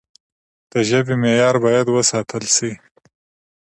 د ژبي معیار باید وساتل سي.